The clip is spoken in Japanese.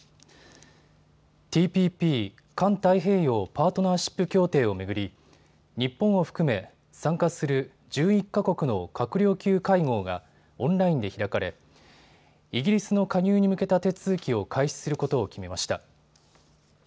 ＴＰＰ・環太平洋パートナーシップ協定を巡り、日本を含め参加する１１か国の閣僚級会合がオンラインで開かれイギリスの加入に向けた手続きを開始することを決めました。